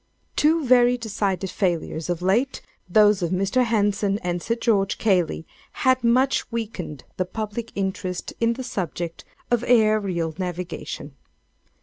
"Two very decided failures, of late—those of Mr. Henson and Sir George Cayley—had much weakened the public interest in the subject of aerial navigation.